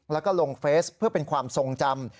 แล้วก็ลงเฟสเพื่อเป็นความทรงจำ